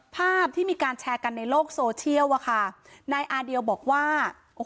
ภาพที่มีการแชร์กันในโลกโซเชียลอะค่ะนายอาเดียวบอกว่าโอ้โห